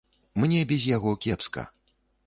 Мне без яго кепска.